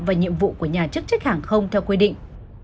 và nhiệm vụ của nhà chức trách hàng không theo quy định